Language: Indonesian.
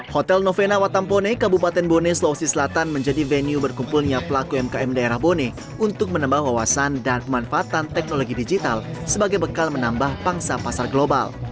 hotel novena watampone kabupaten bone sulawesi selatan menjadi venue berkumpulnya pelaku umkm daerah bone untuk menambah wawasan dan pemanfaatan teknologi digital sebagai bekal menambah pangsa pasar global